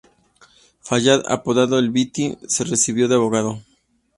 Fayad apodado El Viti, se recibió de abogado.